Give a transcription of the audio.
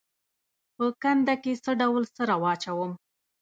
په کنده کې څه ډول سره واچوم؟